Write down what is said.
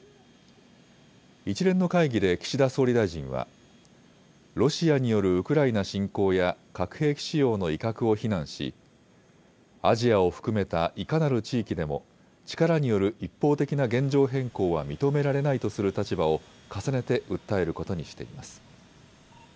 一連の会議で岸田総理大臣はロシアによるウクライナ侵攻や核兵器使用の威嚇を非難しアジアを含めたいかなる地域でも力による一方的な現状変更は認められないとする立場を重ねて訴えることにしています。